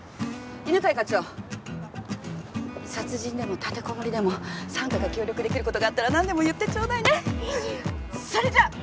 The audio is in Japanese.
犬飼課長殺人でも立てこもりでも三課が協力できることがあったら何でも言ってちょうだいねそれじゃっ！